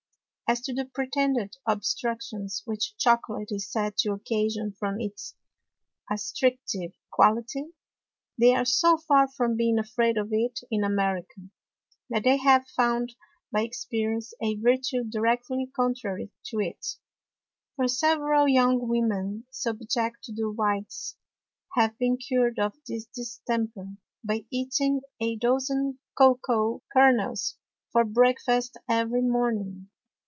As to the pretended Obstructions which Chocolate is said to occasion from its astrictive Quality, they are so far from being afraid of it in America, that they have found by Experience a Vertue directly contrary to it; for several young Women, subject to the Whites, have been cured of this Distemper, by eating a Dozen Cocao Kernels for Breakfast every Morning.